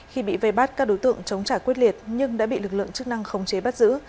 khi bị vây bắt các đối tượng chống trả quyết liệt nhưng đã bị lực lượng chức năng khống chế bắt giữ